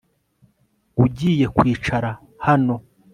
Ugiye kwicara hano